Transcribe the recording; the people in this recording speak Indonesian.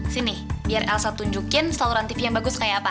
sini biar elsa tunjukin saluran tv yang bagus kayak apa